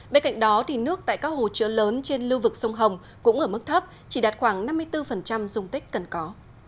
bên cạnh đó nước tại các hồ chứa lớn trên lưu vực sông hồng cũng ở mức thấp chỉ đạt khoảng năm mươi bốn dung tích cần có